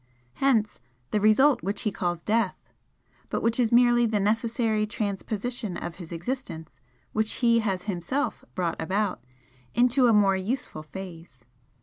Hence the result which he calls 'death' but which is merely the necessary transposition of his existence (which he has himself brought about) into a more useful phase.